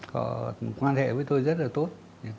họ quan hệ với tôi rất là tốt